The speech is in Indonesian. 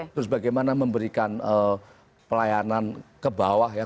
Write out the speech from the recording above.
terus bagaimana memberikan pelayanan ke bawah ya